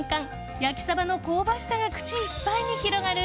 焼きサバの香ばしさが口いっぱいに広がる